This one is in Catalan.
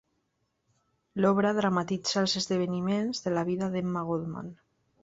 L'obra dramatitza els esdeveniments de la vida d'Emma Goldman.